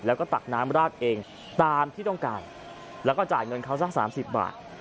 แล้วก็ตักน้ำราดเองตามที่ต้องการแล้วก็จ่ายเงินเขาสัก๓๐บาท